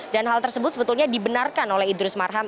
dan hal tersebut sebetulnya dibenarkan oleh idrus marham